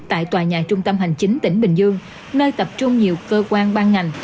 tại tòa nhà trung tâm hành chính tỉnh bình dương nơi tập trung nhiều cơ quan ban ngành